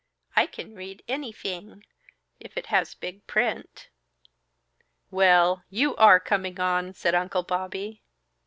I can read anyfing if it has big print." "Well! You are coming on!" said Uncle Bobby.